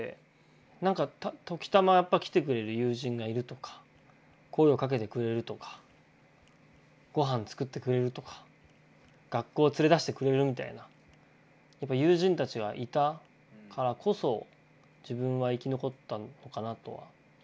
なんか時たま来てくれる友人がいるとか声をかけてくれるとかごはん作ってくれるとか学校連れ出してくれるみたいな友人たちがいたからこそ自分は生き残ったのかなとは。